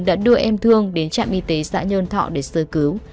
đã đưa em thương đến trạm y tế xã nhơn thọ để sơ cứu